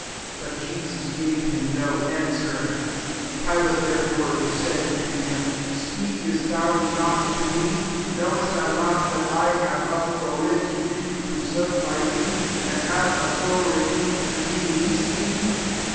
But Jesus gave him no answer 10 Pilate, [.there/bre']y said tc him, " Speakest thou not to me ? knowest thou not that i have authority to crucify thecJ and have authority to releasi thee?"